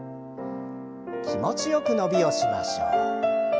気持ちよく伸びをしましょう。